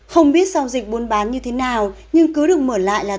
không biết giao dịch buôn bán như thế nào nhưng cứ được mở lại là